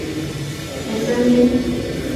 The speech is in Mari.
Эсен лий.